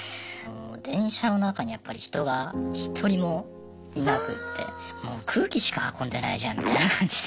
電車の中にやっぱり人が一人もいなくってもう空気しか運んでないじゃんみたいな感じで。